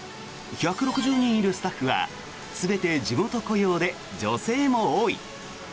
１６０人いるスタッフは全て地元雇用で女性も多い。